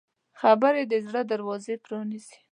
خبرې د زړه دروازه پرانیزي